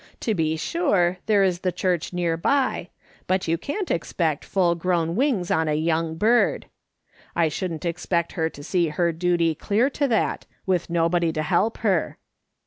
To be sure, there is the church near by, but you can't expect full grown wings on a young bird. I shouldn't expect her to see her duty clear to that, with nobody to help her.